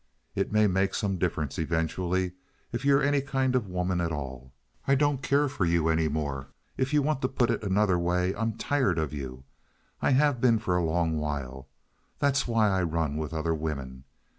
It may make some difference eventually if you're any kind of a woman at all. I don't care for you any more. If you want to put it another way—I'm tired of you. I have been for a long while. That's why I've run with other women.